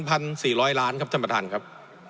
พันสี่ร้อยล้านครับท่านประธานครับ